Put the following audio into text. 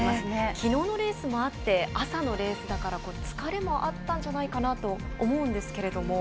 昨日のレースもあって朝のレースだから疲れもあったんじゃないかなと思うんですけれども。